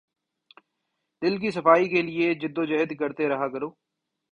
دل کی صفائی کے لیے جد و جہد کرتے رہا کرو